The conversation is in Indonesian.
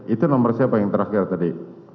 itu nomor siapa yang terakhir tadi